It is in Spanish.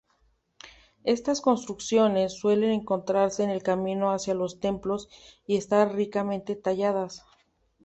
Estas construcciones suelen encontrarse en el camino hacia los templos y estar ricamente talladas.